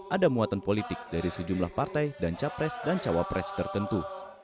ada muatan politik dari sejumlah partai dan capres dan cawapres tertentu